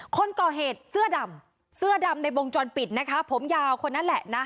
คนก่อเหตุเสื้อดำเสื้อดำในวงจรปิดนะคะผมยาวคนนั้นแหละนะ